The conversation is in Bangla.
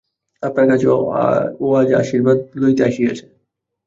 আপনার কাছে ও আজ আশীর্বাদ লইতে আসিয়াছে।